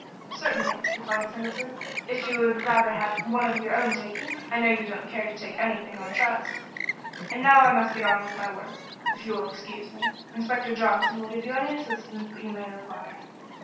"Certainly," replied Mr. Singleton, "if you would rather have one of your own taking. I know you don't care to take anything on trust. And now I must get on with my work, if you will excuse me. Inspector Johnson will give you any assistance you may require."